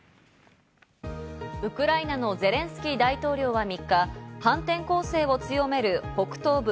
ウクライナのゼレンスキー大統領が３日、反転攻勢を強める北東部